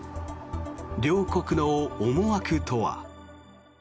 両国の思惑とは。